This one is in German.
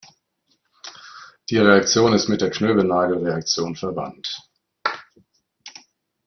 Die Reaktion ist mit der Knoevenagel-Reaktion verwandt.